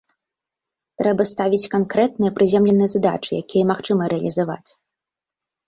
Трэба ставіць канкрэтныя прыземленыя задачы, якія магчыма рэалізаваць.